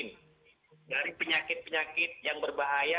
dari penyakit penyakit yang berbahaya atau penyakit penyakit yang berbahaya